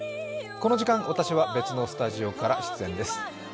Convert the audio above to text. この時間、私は別のスタジオから出演です。